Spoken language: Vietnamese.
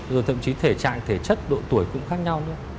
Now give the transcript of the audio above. rồi thậm chí thể trạng thể chất độ tuổi cũng khác nhau nữa